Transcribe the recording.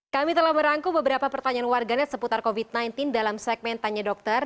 kami telah merangkum beberapa pertanyaan warganet seputar covid sembilan belas dalam segmen tanya dokter